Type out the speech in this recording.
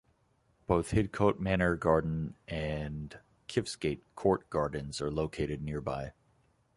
Both Hidcote Manor Garden and Kiftsgate Court Gardens are located nearby.